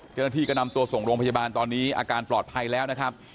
เจ้าหน้าที่ก็นำตัวส่งโรงพยาบาลตอนนี้อาการปลอดภัยแล้วนะครับ